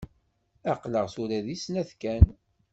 Aql-aɣ tura di snat kan.